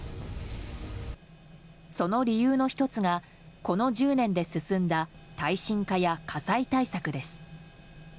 その理由の１つがこの１０年で進んだ耐震化や火災対策です。